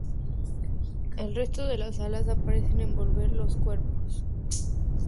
El resto de las alas parecen envolver los cuerpos.